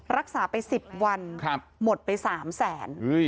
รักษาไปสิบวันครับหมดไปสามแสน